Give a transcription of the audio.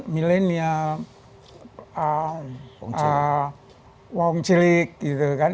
milenial wong cilik gitu kan